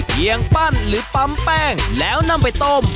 ปั้นหรือปั๊มแป้งแล้วนำไปต้ม